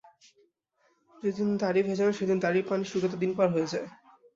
যেদিন দাড়ি ভেজান, সেদিন দাড়ির পানি শুকাতে দিন পার হয়ে যায়।